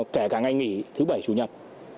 kể cả ngày nghỉ thứ bảy chủ nhật